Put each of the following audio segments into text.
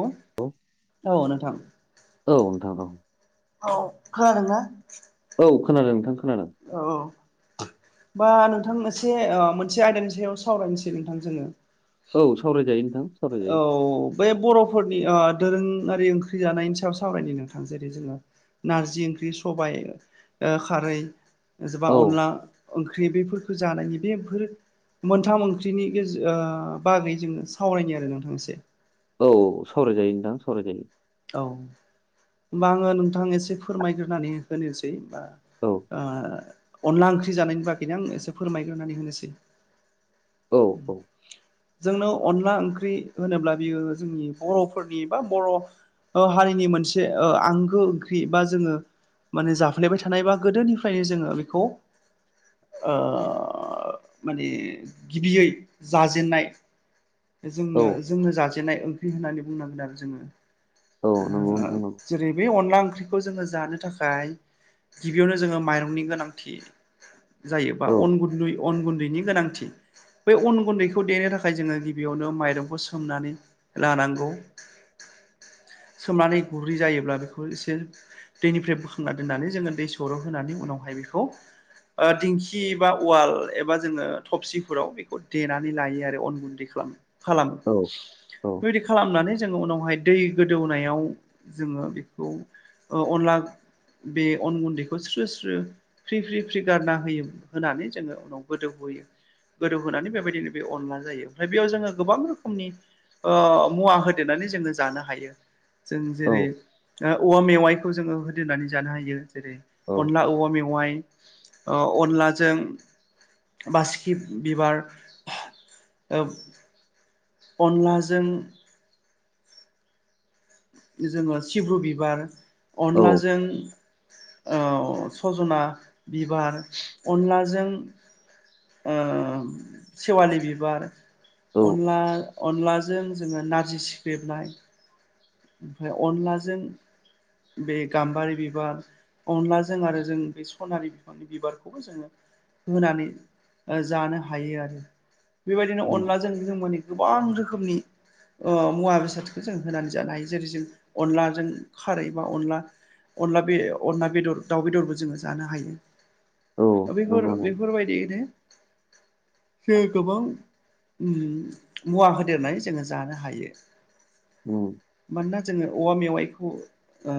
औ औ नोंथां औ नोंथां औ औ खानादोंना औ खोनादों नोंथां खोनादों औ बा नोंथां एसे मोनसे आयदानि सायाव सावरायनोसै नोंथां जोंङो औ सावरायजायो नोंथां सावरायजायो औ बे बर'फोरनि दोरोङारि ओंख्रि जानायनि सायाव सावरायनि नोंथां जेरै जोंङो नारजि ओंख्रि सबाय ओ खारै जबा औ अनला ओंख्रि बेफोरखौ जानायनि बेफोर मोनथाम ओंख्रिनि गेजेर ओ बागै जोङो सावरायनो आरो नोंथां एसे। औ सावरायजायो नोंथां सावरायजायो। औ होनबा आङो नोंथां एसे फोरमायग्रोनानै होनोसै। औ ओ अनला ओंख्रि जानायनि बागैनो आं एसे फोरमायग्रोनानै होनोसै। औ उम जोंनो अनला ओंख्रि होनोब्ला बियो जोंनि बर'फोरनि बा बर' ओ हारिनि मोनसे ओ आंगो ओंख्रि बा जोङो माने जाफ्लेबाय थानाय बा गोदोनिफ्रायनो जोङो बेखौ ओ माने गिबियै जाजेननाय औ जोंनो जोंनो जाजेननाय ओंख्रि होननानै बुंनांगोन आरो जोङो औ नंगौ ओ नोंथां नंगौ जेरै बे अनला ओंख्रिखौ जोङो जानो थाखाय गिबियावनो जोङो माइरंनि गोनांथि। जायो बा औ अन गुन्दै अन गुन्दैनि गोनांथि। बै अन गुन्दैखौ देनो थाखाय जोङो गिबियावनो माइरंखौ सोमनानै लानांगौ। सोमनानै गुरै जायोब्ला बेखौ एसे दैनिफ्राय बोखांना दोननानै जोङो दै सौर'होनानै उनावहाय बेखौ ओ दिंखि बा उवाल एबा जोङो थबसिफोराव बेखौ देनानै लायो आरो अन गुन्दैखौ। खालामो औ औ बेबायदि खालामनानै जोङो उनावहाय दै गोदौनायाव जोङो बेखौ ओ अनला बे अन गुन्दैखौ स्रो स्रो फ्रि फ्रि फ्रि गारना होयो होनानै जोङो उनाव गोदौहोयो। गोदौ होनानै बेबायदिनो बे अनला जायो ओमफ्राय बेयाव जोङो गोबां रोखोमनि ओ मुवा होदेरनानै जोङो जानो हायो जों औ जेरै ओ औवा मेवाइखौ जोङो होदेरनानै जानो हायो जेरै औ अनला औवा मेवाइ ओ अनलाजों बासिखि बिबार ओ अनलाजों जोङो सिब्रु बिबार औ अनलाजों ओ सजना बिबार अनलाजों ओ सेवालि बिबार औ अनला अनलाजों जोङो नारजि सिख्रेबनाय ओमफ्राय अनलाजों बे गाम्बारि बिबार अनलाजों आरो जों बे सनारि बिफांनि बिबारखौबो जोङो होनानै जानो हायो आरो। बेबायदिनो औ अनलाजों जों माने गोबां रोखोमनि ओ मुवा बेसादखौ जों होनानै जानो हायो। जेरै जों अनलाजों खारै बा अनला अनला बे अनला बेदर दाउ बेदरबो जोङो जानो हायो। औ बेफोर नंगौ नंगौ बेफोरबायदियैनो जों गोबां मुवा होदेरनाय जोङो जानो हायो। उम। मानोना जोङो औवा मेवाइखौ ओ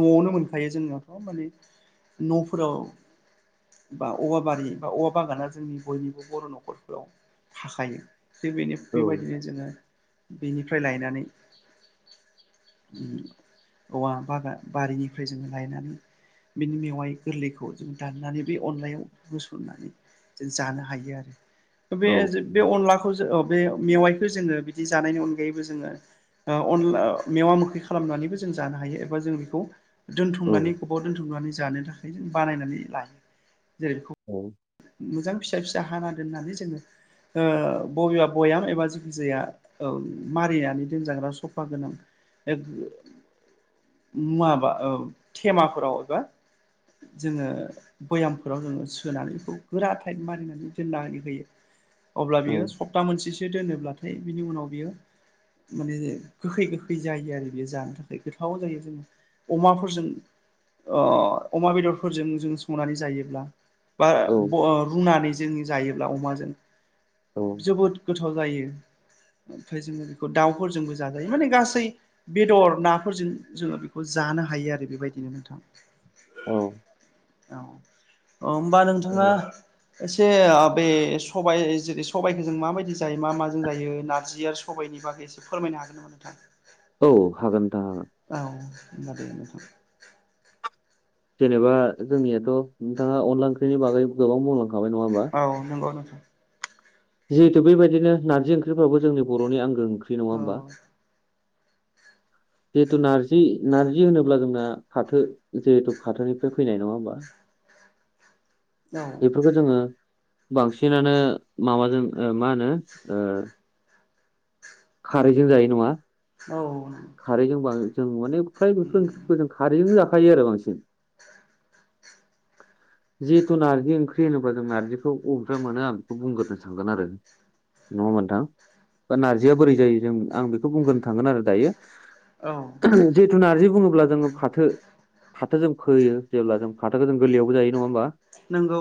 न'आवनो मोनखायो जोंनाथ' माने न'फोराव बा औवा बारि बा औवा बागाना जोंनि बयनिबो बर' न'खरफोराव थाखायो। [unintelligible] बेनो औ बेबायदिनो जोङो बेनिफ्राय लायनानै औवा बागान बारिनिफ्राय जोङो लायनानै बिनि मेवाय गोरलैखौ जों दाननानै बे अनलायाव होसननानै जों जानो हायो आरो। बे औ बे अनलाखौ जो ओ बे मेवाइखौ जोङो बिदि जानायनि अनगायैबो जोङो ओ अनला मेवा मोखै खालामनानैबो जों जानो हायो एबा जों बेखौ औ दोन्थुमनानै गोबाव दोनथुमनानै जानो थाखाय जों बानायनानै लायो जेरै बेखौ औ। मोजां फिसा फिसा हाना दोननानै जोंङो बबेबा बयाम एबा जेखि जाया औ मारिनानै दोनजाग्रा सफा गोनां माबा ओ थेमाफोराव एबा जोङो बयामफोराव जोंङो सोनानै खौ गोरा टाइद मारिनानै दोननानै होयो अब्ला बियो औ सब सथा मोनसेसो दोनोब्लाथाय बिनि उनाव बियो माने गोखै गोखै जायो आरो बेयो जानो थाखाय गोथाव जायो जोङो अमाफोरजों ओ अमा बेदरफोरजों जों संनानै जायोब्ला बा औ। ओ रुनानै जों जायोब्ला अमाजों औ जोबोद गोथाव जायो ओमफ्राय जोङो बेखौ दाउफोरजोंबो जाजायो माने गासै बेदर नाफोरजों जोंङो बेखौ जानो हायो आरो बेबायदिनो नोंथां औ अ होमबानो जङो एसे बे सब जेरै सबाइखौ जों माबायदि जाय मा माजों जायो नारजि आरो सबायनि बागै एसे फोरमायनो हागोन नामा नोंथां औ हागोन नोंथां हागोन औ [inaudible] जेनेबा जोंनियाथ' नोंथाङा अनला ओंख्रिनि बागै गोबां बुंलांखाबाय नङा होमबा औ नंगौ नोंथां जिहेथु बेबायदिनो नारजि ओंख्रिफ्राबो जोंनि बर'नि आंगो ओंख्रि औ नङा होमबा [inaudible] जिहेथु नारजि नार्जि होनोब्ला जोंना फाथो जिहेथु फाथोनिफ्राय फैनाय नङा होमबा औ बेफोरखौ जोङो बांसिनानो माबाजों मा होनो खारैजों जायो नङा औ खारैजों बा जों माने फ्राय बेफोर जों खारैजोंनो जाखायो आरो बांसिन [unintelligible] जिहेथु नारजि ओंख्रि होनोब्ला जों नारजिखौ अबेनिफ्राय मोनो आं बेखौ बुंग्रोनो सानगोन आरो नङा होनबा नोंथां बा नारजिया बोरै जायो जों आं बेखौ बुंग्रोनो थांगोन आरो दायो औ जिहथु नारजि बुङोब्ला जोङो फाथो फाथो जों फोयो जेब्ला जों फाथो जों गोरलैयावबो जायो नङा होनबा नंगौ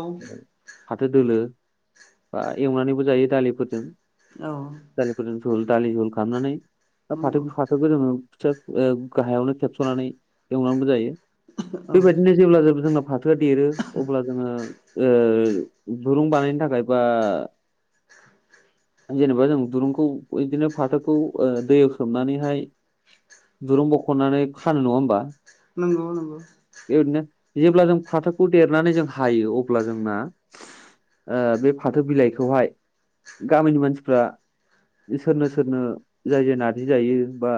फाथो दोलो बा एवनानैबो जायो दालिफोरजों औ [unintelligible] झुल दालि झुल खालामनानै दा फाथो नंगौ फाथोखौ जोङो खिथया गाहायावनो खेबस'नानै एवनांगौ जायो औ बेबायदिनो जेब्ला जे जोंना थ देरो अब्ला जोंङो दुरुं बानायनो थाखाय बा जेनेबा जों दुरुं बिदिनो फाथोखौ दैयाव सोमनानैहाय दुरुं बख'नानै खानो नंङा होमबा नंगौ नंगौ बेबायदिनो जेब्ला जों फाथोखौ देरनानै जों हायो अब्ला जोंना बे फाथो बिलाइखौहाय गामिनि मानसिफ्रा सोरनो सोरनो जाय जाय नार्जि जायो बा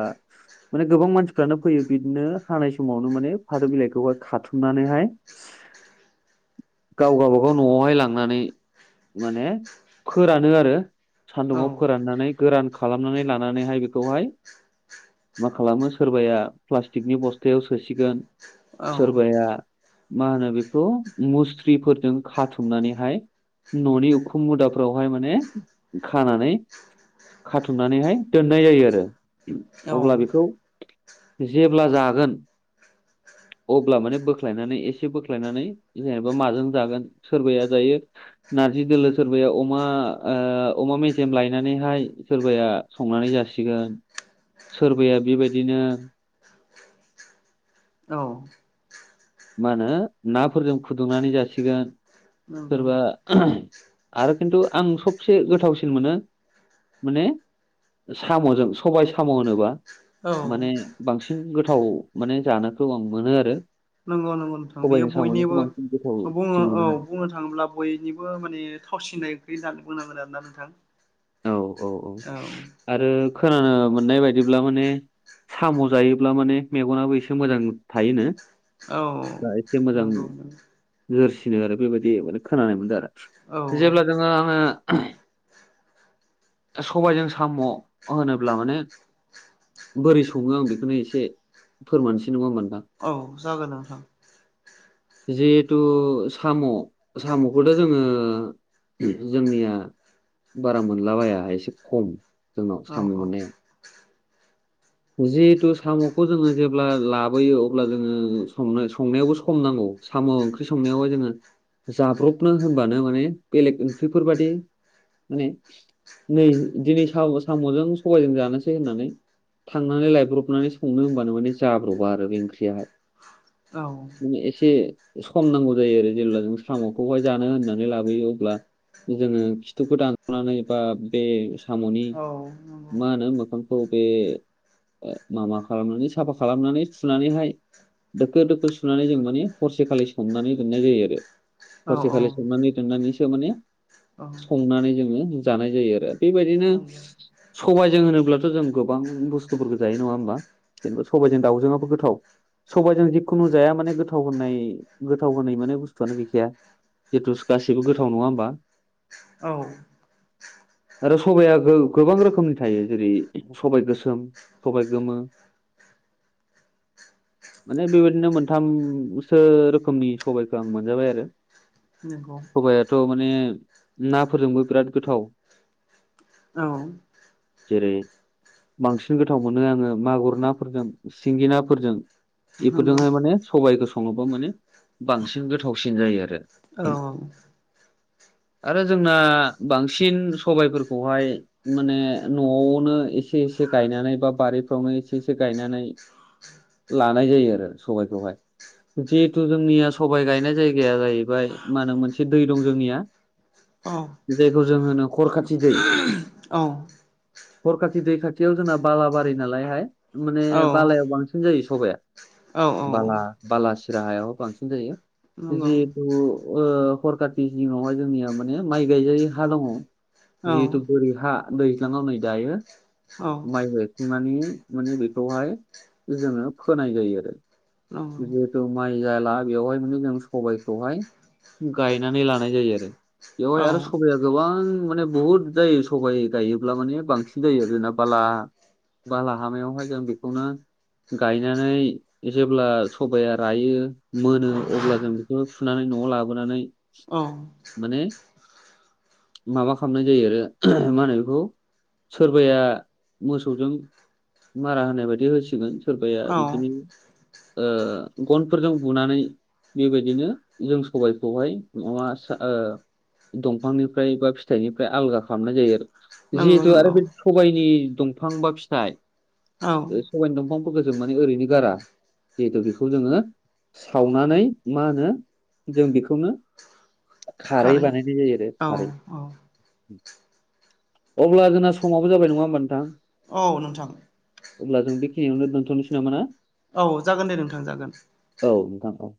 माने गोबां मानसिफ्रानो फैयो बिदिनो हानाय समावनो माने फाथो बिलाइखौहाय खाथुमनानैहाय [inaudible] गाव गावबागाव न'आवहाय लांनानै माने फोरानो आरो औ सान्दुंङाव फोराननानै गोरान खालामनानै लानानैहाय बेखौहाय मा खालामो सोरबाया प्लास्टिकनि बस्थायाव सोसिगोन। औ सोरबाया मा होनो बेखौ मुस्रिफोरजों खाथुमनानैहाय न'नि उखुम मुदाफोरावहाय माने खानानै खाथुमनानैहाय दोननाय जायो आरो औ नंगौ अब्ला बेखौ जेब्ला जागोन अब्ला माने बोख्लायनानै एसे बोख्लायनानै जेनेबा माजों जागोन सोरबाया जायो नार्जि दोलो सोरबाया अमा ओ अमा मेजेम लाय नानैहाय सोरबाया संनानै जासिगोन सोरबाया बेबायदिनो औ मा होनो नाफोरजों फुदुंनानै जासिगोन। सोरबा आरो किन्तु आं सबसे गोथावसिन मोनो माने साम'जों सबाय साम' होनोबा औ माने बांसिन गोथाव माने जानोखौ आं मोनो आरो। नंगौ नंगौ नोंथां बेयो सबायजों साम'जोंखौ बयनिबो बांसिन बुङो गोथावसिन मोनो औ बुङो थाङोब्ला बयनिबो माने थावसिनाय ओंख्रि जानो बुंनांगोन आरोना नोंथां। आरो औ औ आरो खोनाना मोननाय बायदिब्ला माने साम' जायोब्ला माने मेगनाबो एसे मोजां थायोनो। औ दा एसे मोजां नोंगौ। जोरसिनो आरो बेबायदि माने खोनानाय मोनदो औ आरो जेब्ला जोङो आङो सबायजों साम' होनोब्ला माने बोरै सङो आं बिखोनो एसे फोरमानसै नङा होमबा नोंथां। औ जागोन नोंथां। जिहेथु साम' साम'खोथ' जोङो उम जोंनिया बारा मोनलाबाया एसे खम जोंनाव औ साम' औ मोननाया। [inaudible] जिहेतु साम'खौ जोङो जेब्ला लाबोयो अब्ला जोङो संनो संनायावबो सम नांगौ। साम' ओंख्रि संनायावहाय जोङो जाब्रबनो होनबानो माने बेलेग ओंख्रिफोरबादि माने नै दिनै साम' साम'जों सबायजों जानोसै होननानै थांनानै लायब्रबनानै संनो होनबानो माने जाब्र'बा आरो बे ओंख्रियाहाय। औ दिनो एसे सम नांगौ जायो आरो जेब्ला जों साम'खौहाय जानो होननानै लाबोयो अब्ला जोङो खिथुखौ दानस'नानै बा बे साम'नि औ नंगौ मा होनो मोखां खौ बे ओ माबा खालामनानै साफा खालामनानै थुनानैहाय दोखो दोखो सुनानै जों माने हरसेखालि सोमनानै दोननाय जायो आरो। औ हरसेखालि सोमनानै दोननानैसो माने औ संनानै जोङो जानाय जायो आरो बेबायदिनो नंगौ सबायजों होनोब्लाथ' जों गोबां बुस्थुफोरखौ जायो नङा होमबा? जेनेबा सबाइजों दाउजोंआबो गोथाव। सबाइजों जिखुनु जाया माने गोथाव होननाय गोथाव होनाय माने बुस्थुआनो गैखाया। जिथुस गासैबो गोथाव नङा होमबा? औ आरो सबाया गो-गोबां रोखोमनि थायो जेरै सबाइ गोसोम सबाइ गोमो। [inaudible] माने बेबायदिनो मोनथामसो रोखोमनि सबाइखो आं मोनजाबाय आरो। नोंगौ। सबायाथ' माने नाफोरजोंबो बोराद गोथाव। औ जेरै बांसिन गोथाव मोनो आङो मागुर नाफोरजों सिंगि नाफोरजों। नंगौ बेफोरजोंहाय माने सबाइखो सङोबा माने बांसिन गोथावसिन जायो आरो। औ। आरो जोंना बांसिन सबायफोरखौहाय माने न'आवनो एसे एसे गायनानै बा बारिफ्रावनो एसे एसे गायनानै लानाय जायो आरो सबायखौहाय जिहेथु जोंनिया सबाय गायनाय जायगाया जाहैबाय मा होनो मोनसे दै दं जोंनिया औ बे दैखौ जों होनो खरखाथि दै [inaudible] हरखाथि दै खाथियाव जोंना बालाबारि नालायहाय माने औ नंगौ औ नंगौ औ बालायाव बांसिन जायो सबाया बाला बाला सिराहायाव बांसिन जायो। जिहेथु हरकनि सिङावहाय जोंनिया माने माइ गायजाय हा दङ [unintelligible] जिहेथु बोरै हा दैज्लाङाव नै दायो माइ गायखांनानै माने बेखौहाय जोङो फोनाय जायो आरो। जिहेतु माइ जाायाला बेवहाय माने जों सबायखौहाय गायनानै लानाय जायो आरो। बेवहाय आरो सबाया गोबां माने बहुद जायो सबाइ गायोब्ला माने बांसिन जायो आरोना बाला बाला हामायावहाय जों बेखौनो गायनानै जेब्ला सबाया रायो मोनो अब्ला जों बेखौ फुनानै न'आव लाबोनानै औ। माने माबा खालामनाय जायो आरो मा होनो बेखौ सोरबाया मोसौजों मारा होनाय बायदि होसिगोन सोरबाया औ बिदिनो ओ गनफोरजों बुनानै बेबायदिनो जों सबायाइखौहाय माबा ओ दंफांनिफ्राय बा फिथाइनिफ्राय आलागा खालामनाय जायो आरो नंगौ जिहेथु नंगौ आरो बे सबायाइनि दंफां बा फिथाइ औ सबायाइनि दंफांफोरखौ जों माने ओरैनो गारा जिहेथु बेखौ जोङो सावनानै मा होनो जों बेखौनो खारै बानायनाय जायो आरो औ खारै। अब्ला जोंना समावाबबो जाबाय नङा होमबा नोंथां। औ नोंथां। अब्ला जों बेखिनियावनो दोनथ'नोसै नामाना। औ जागोन दे नोंथां जागोन। औ नोंथां औ।